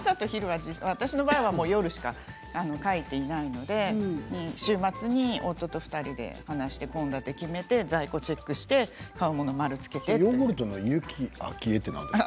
私は夜しか書いていませんので週末に夫と２人で話して献立を決めて在庫をチェックして買うものに丸をしています。